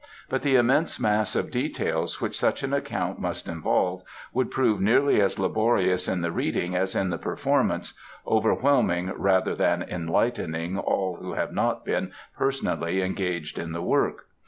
But the immense mass of details which such an account must involve, would prove nearly as laborious in the reading as in the performance, overwhelming rather than enlightening all who have not been personally engaged in the work.